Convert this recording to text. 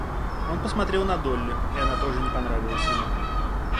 Он посмотрел на Долли, и она тоже не понравилась ему.